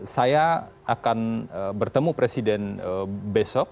saya akan bertemu presiden besok